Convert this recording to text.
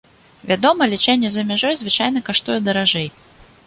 Вядома, лячэнне за мяжой звычайна каштуе даражэй.